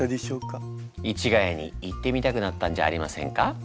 市ヶ谷に行ってみたくなったんじゃありませんか？